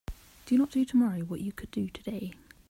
Do not do tomorrow what you could do today.